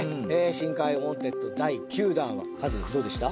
「深海ＷＡＮＴＥＤ第９弾」はカズどうでした？